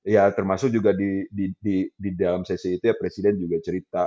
ya termasuk juga di dalam sesi itu ya presiden juga cerita